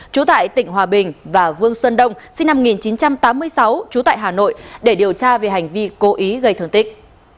trú tại tỉnh hòa bình và vương xuân đông sinh năm một nghìn chín trăm tám mươi sáu trú tại hà nội để điều tra về hành vi cố ý gây thương tích